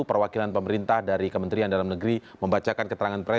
perwakilan pemerintah dari kementerian dalam negeri membacakan keterangan